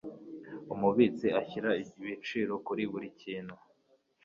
umubitsi ashyira ibiciro kuri buri kintu